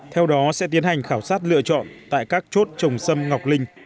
theo đó sẽ tiến hành khảo sát lựa chọn tại các chốt trồng xâm ngọc linh